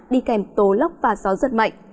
đi kèm tố lốc và gió giật mạnh